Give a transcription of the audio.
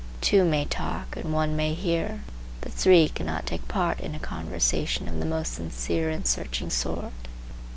Two may talk and one may hear, but three cannot take part in a conversation of the most sincere and searching sort.